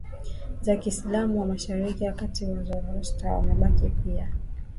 za Kiislamu wa mashariki ya kati Wazoroasta wamebaki pia